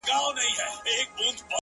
• خدای راکړې هره ورځ تازه هوا وه,